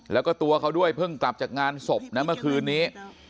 แล้วก็ตัวเขาด้วยเพิ่งกลับจากงานศพนะเมื่อคืนนี้